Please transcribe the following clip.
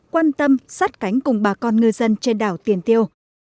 quan tâm sát cánh cùng bà con ngư dân trên đảo tiền tiêu